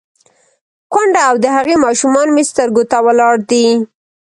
_کونډه او د هغې ماشومان مې سترګو ته ولاړ دي.